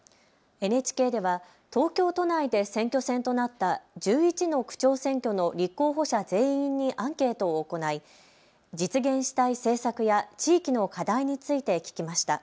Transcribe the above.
ＮＨＫでは東京都内で選挙戦となった１１の区長選挙の立候補者全員にアンケートを行い、実現したい政策や地域の課題について聞きました。